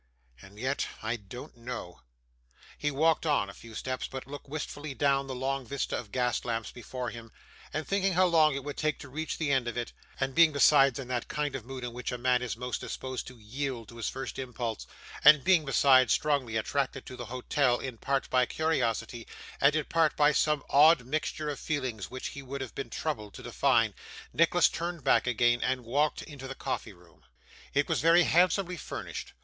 And yet I don't know.' He walked on a few steps, but looking wistfully down the long vista of gas lamps before him, and thinking how long it would take to reach the end of it and being besides in that kind of mood in which a man is most disposed to yield to his first impulse and being, besides, strongly attracted to the hotel, in part by curiosity, and in part by some odd mixture of feelings which he would have been troubled to define Nicholas turned back again, and walked into the coffee room. It was very handsomely furnished.